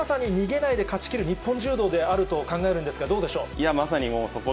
これがまさに逃げないで勝ち切る、日本柔道であると考えるんですが、どうでしょう？